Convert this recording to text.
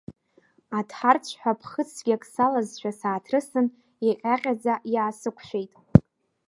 Аҭҳарцәҳәа ԥхыӡ цәгьак салазшәа сааҭрысын, иҟьаҟьаӡа иаасықәшәеит.